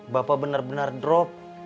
bapak benar benar drop